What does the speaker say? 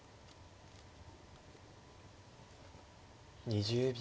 ２０秒。